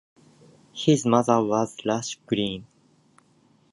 His mother was Ruth Greene.